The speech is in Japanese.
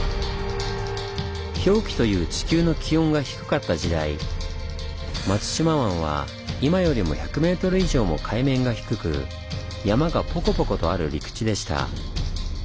氷期という地球の気温が低かった時代松島湾は今よりも１００ｍ以上も海面が低く山がポコポコとある陸地でした。